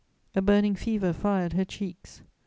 A burning fever fired her cheeks.